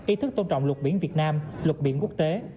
ý thức tôn trọng luật biển việt nam luật biển quốc tế